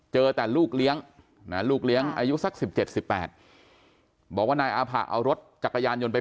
เจอแต่ลูกเลี้ยงลูกเลี้ยงอายุสัก๑๗๑๘บอกว่านายอาผะเอารถจักรยานยนต์ไป